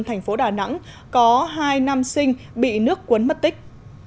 thành phố đà nẵng có hai nam sinh bị nước cuốn mất tích